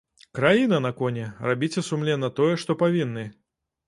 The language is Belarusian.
Краіна на коне, рабіце сумленна тое, што павінны.